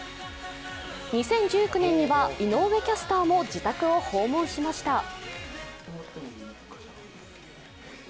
２０１９年には井上キャスターも自宅を訪問しました。